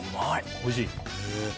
おいしい？